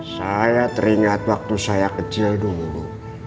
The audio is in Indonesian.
saya teringat waktu saya kecil dulu